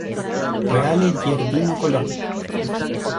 Reale Giardino Colon.